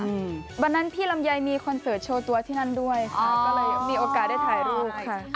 วันนั้นพี่ลำไยมีคอนเสิร์ตโชว์ตัวที่นั่นด้วยใช่ก็เลยมีโอกาสได้ถ่ายรูปค่ะ